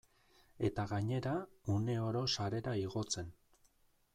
Eta gainera, uneoro sarera igotzen.